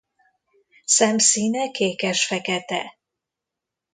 Szemszíne kékesfekete.